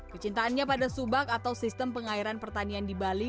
kecintaannya pada subak atau sistem pengairan pertanian di bali